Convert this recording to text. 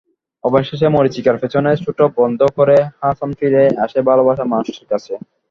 অবশেষে মরীচিকার পেছনে ছোটা বন্ধ করে হাসান ফিরে আসে ভালোবাসার মানুষটির কাছে।